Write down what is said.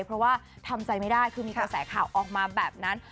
เพราะว่าทำใจไม่ได้คือมีกระแสข่าวออกมาแบบนั้น